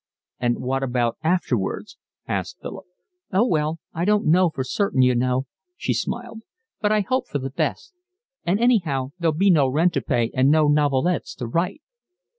"And what about afterwards?" asked Philip. "Oh, well, I don't know for certain, you know," she smiled, "but I hope for the best. And anyhow there'll be no rent to pay and no novelettes to write."